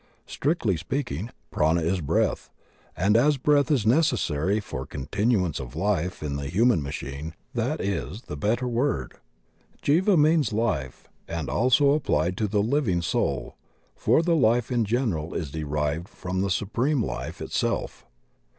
Strictly speaking, Prana is breath; and as breath is necessary for continuance of life in the human machine, that is the better word. Jiva means 38 THE OCEAN OF THEOSOPHY '"life," and also is applied to the living soul, for the life in general is derived from the Supreme Life itself.